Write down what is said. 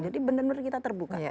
jadi benar benar kita terbuka